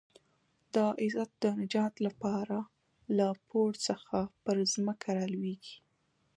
د عزت د نجات لپاره له پوړ څخه پر ځمکه رالوېږي.